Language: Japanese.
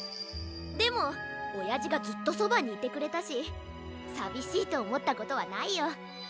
でもおやじがずっとそばにいてくれたしさびしいとおもったことはないよ。